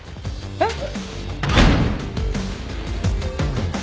えっ！？